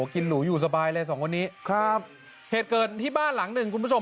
หรูอยู่สบายเลยสองคนนี้ครับเหตุเกิดที่บ้านหลังหนึ่งคุณผู้ชม